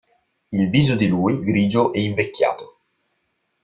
Il viso di lui grigio e invecchiato.